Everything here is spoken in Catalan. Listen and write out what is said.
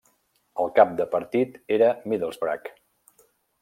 El cap de partit era Middlesbrough.